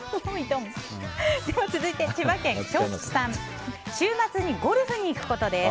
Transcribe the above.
続いて、千葉県の方。週末にゴルフに行くことです。